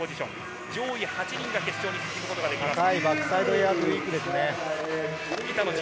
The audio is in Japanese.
上位８人が決勝に進むことができます。